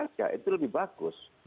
saja itu lebih bagus